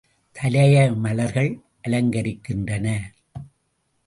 தலையை மலர்கள் அலங்கரிக்கின்றன.